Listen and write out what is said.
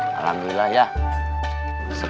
tangan rugi ya